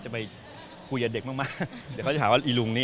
จะไปคุยกับเด็กมากเดี๋ยวเขาจะถามว่าอีลุงนี่